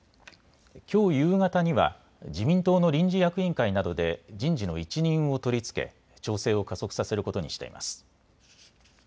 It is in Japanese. きょう夕方には自民党の臨時役員会などで人事の一任を取りつけ調整を加速させることにしています。